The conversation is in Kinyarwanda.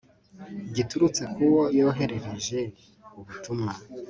giturutse ku wo yoherereje ubutumwa